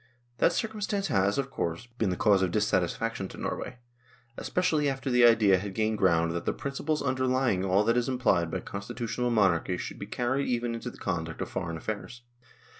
That cir cumstance has, of course, been the cause of dis satisfaction to Norway, especially after the idea had gained ground that the principles underlying all that is implied by constitutional monarchy should be carried even into the conduct of foreign affairs.